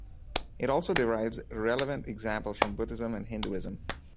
It also derives relevant examples from Buddhism and Hinduism.